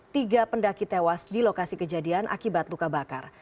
tiga pendaki tewas di lokasi kejadian akibat luka bakar